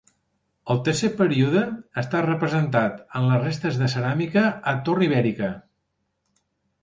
El tercer període està representat en les restes de ceràmica a torn ibèrica.